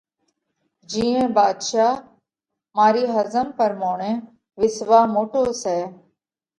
جِيئين ڀاڌشا، مارِي ۿزم پرموڻئہ وِسواه موٽو سئہ۔